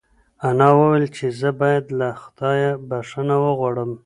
انا وویل چې زه باید له خدایه بښنه وغواړم.